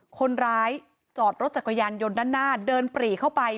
คนร้ายจอดรถจักรยานยนต์ด้านหน้าเดินปรีเข้าไป